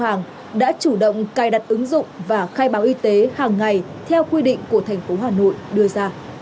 bây giờ thì mình có biết cái ứng dụng là vn eid có khai báo y tế không